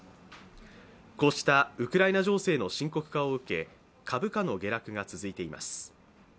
こうしたウクライナ情勢の深刻化を受け株価の下落が続いています。